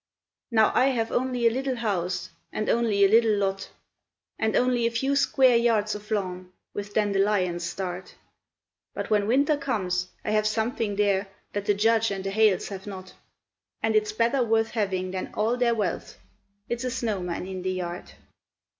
Now I have only a little house, and only a little lot, And only a few square yards of lawn, with dandelions starred; But when Winter comes, I have something there that the Judge and the Hales have not, And it's better worth having than all their wealth it's a snowman in the yard.